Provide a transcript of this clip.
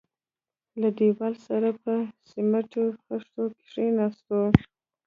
له دېواله سره پر سميټي خښتو کښېناستو.